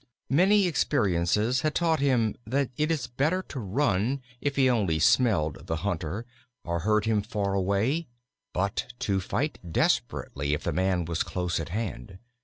Many experiences had taught him that it is better to run if he only smelled the hunter or heard him far away, but to fight desperately if the man was close at hand.